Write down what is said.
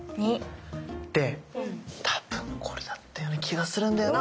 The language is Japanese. で多分これだったような気がするんだよな。